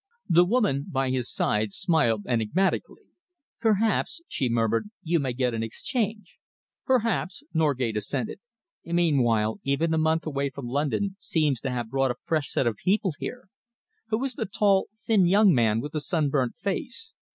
The woman by his side smiled enigmatically. "Perhaps," she murmured, "you may get an exchange." "Perhaps," Norgate assented. "Meanwhile, even a month away from London seems to have brought a fresh set of people here. Who is the tall, thin young man with the sunburnt face?